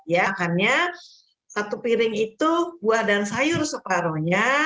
makannya satu piring itu buah dan sayur separohnya